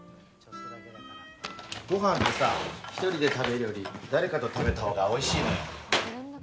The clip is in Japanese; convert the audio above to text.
ごはんってさ、１人で食べるより誰かと食べたほうがおいしいのよ。